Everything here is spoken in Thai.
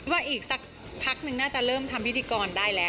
ว่าอีกสักพักนึงน่าจะเริ่มทำพิธีกรได้แล้ว